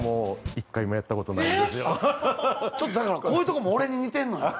ちょっとだからこういうとこも俺に似てんのよ。